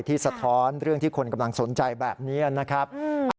สะท้อนเรื่องที่คนกำลังสนใจแบบนี้นะครับ